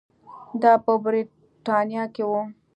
دا په برېټانیا کې وو.